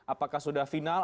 apakah sudah final